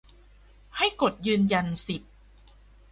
ให้กดยืนยันสิทธิ